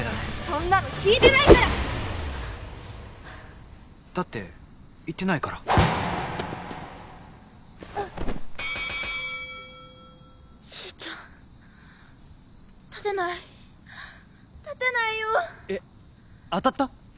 そんなの聞いてないから！だって言ってないからちーちゃん立てない立てないよえっ当たった？